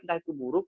entah itu buruk